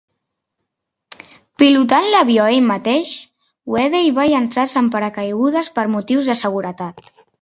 Pilotant l'avió ell mateix, Wedell va llançar-se amb paracaigudes per motius de seguretat.